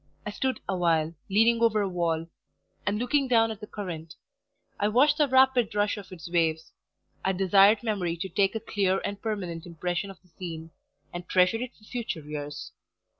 I stood awhile, leaning over a wall; and looking down at the current: I watched the rapid rush of its waves. I desired memory to take a clear and permanent impression of the scene, and treasure it for future years.